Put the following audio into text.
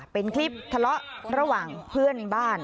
เป็นคลิปทะเลาะระหว่างเพื่อนบ้าน